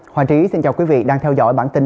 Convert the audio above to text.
hoàng trí xin chào quý vị đang theo dõi bản tin